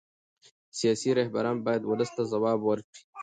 سیاسي رهبران باید ولس ته ځواب ورکړي